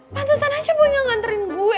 pantesan aja boy gak nganterin gue